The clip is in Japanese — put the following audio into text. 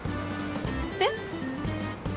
えっ？